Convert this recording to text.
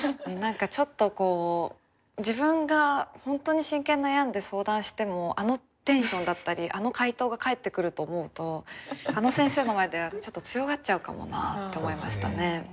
何かちょっとこう自分が本当に真剣に悩んで相談してもあのテンションだったりあの回答が返ってくると思うとあの先生の前ではちょっと強がっちゃうかもなあって思いましたね。